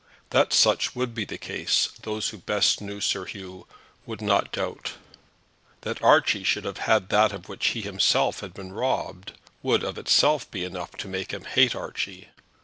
That such would be the case those who best knew Sir Hugh would not doubt. That Archie should have that of which he himself had been robbed, would of itself be enough to make him hate Archie.